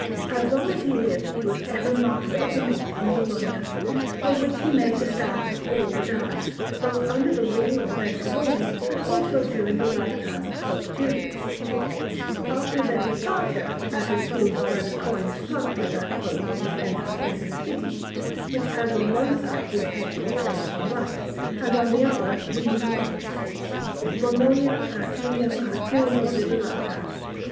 As long as he lived he was ever Master of the Mint in Bologna, for which he made the stamps of all the dies, both under the rule of the Bentivogli and also during the lifetime of Pope Julius, after their departure, as is proved by the coins struck by that Pope on his entrance into the city, which had on one side his head portrayed from life, and on the other these words: BONONIA PER JULIUM A TYRANNO LIBERATA.